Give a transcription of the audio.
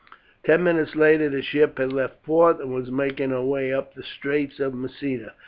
Ten minutes later the ship had left port, and was making her way up the Straits of Messina.